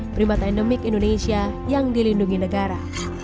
primata endemik indonesia yang dilindungi negara